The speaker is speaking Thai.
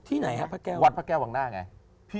ไหนฮะพระแก้ววัดพระแก้ววังหน้าไง